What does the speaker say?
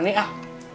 gak berani ah